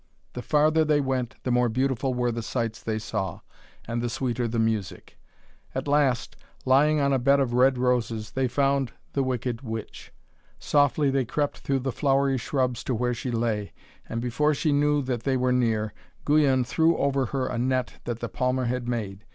The farther they went, the more beautiful were the sights they saw, and the sweeter the music. At last, lying on a bed of red roses, they found the wicked witch. Softly they crept through the flowery shrubs to where she lay, and before she knew that they were near, Guyon threw over her a net that the palmer had made.